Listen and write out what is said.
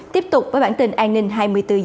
tiếp tục với bản tin an ninh hai mươi bốn h